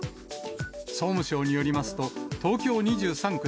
総務省によりますと、東京２３区